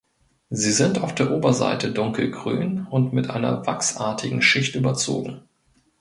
Sie sind auf der Oberseite dunkelgrün und mit einer wachsartigen Schicht überzogen.